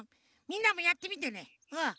みんなもやってみてねうん。